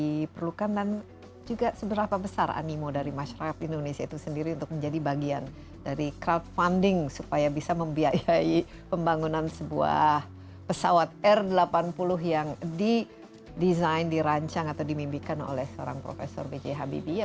diperlukan dan juga seberapa besar animo dari masyarakat indonesia itu sendiri untuk menjadi bagian dari crowdfunding supaya bisa membiayai pembangunan sebuah pesawat r delapan puluh yang didesain dirancang atau dimimbikan oleh seorang profesor b j habibie